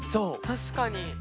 確かに。